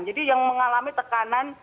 jadi yang mengalami tekanan